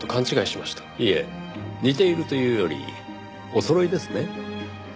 いえ似ているというよりおそろいですね。